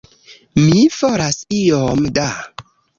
Mi volas iom da!